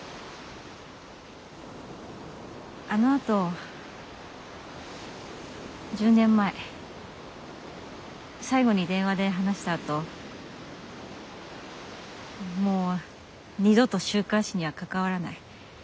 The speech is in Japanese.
あのあと１０年前最後に電話で話したあともう二度と週刊誌には関わらない。